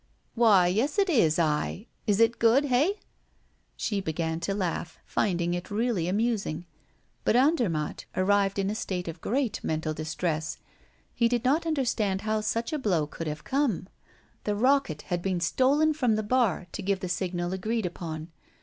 "Why, yes, it is I. Is it good, hey?" She began to laugh, finding it really amusing. But Andermatt arrived in a state of great mental distress. He did not understand how such a blow could have come. The rocket had been stolen from the bar to give the signal agreed upon.